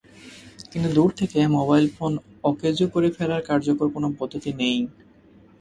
কিন্তু দূর থেকে মোবাইল ফোন অকেজো করে ফেলার কার্যকর কেনো পদ্ধতি নেই।